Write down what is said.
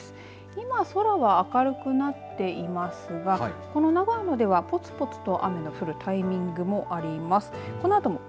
今、空は明るくなっていますがこの長野ではぽつぽつと雨の降るタイミングもあります。